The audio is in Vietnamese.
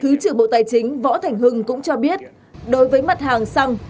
thứ trưởng bộ tài chính võ thành hưng cũng cho biết đối với mặt hàng xăng